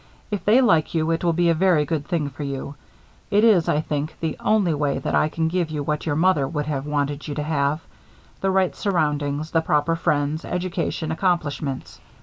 If they like you, it will be a very good thing for you. It is, I think, the only way that I can give you what your mother would have wanted you to have; the right surroundings, the proper friends, education, accomplishments.